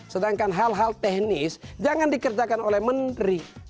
sedangkan hal hal teknis jangan dikerjakan oleh menteri